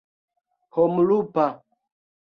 homlupa